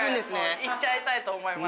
行っちゃいたいと思います。